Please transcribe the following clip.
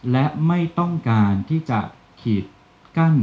และไม่ต้องการที่จะขีดกั้น